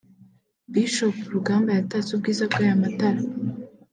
Bishop Rugamba yatatse ubwiza bw’aya matara